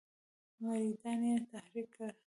مریدان یې تحریک کړل.